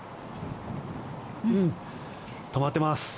止まってます。